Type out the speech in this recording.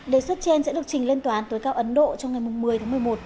đề xuất trên sẽ được trình lên toán tối cao ấn độ trong ngày một mươi tháng một mươi một